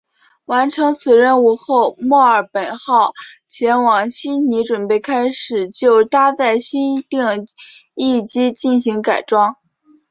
完成此任务后墨尔本号前往悉尼准备开始就搭载新定翼机进行改装。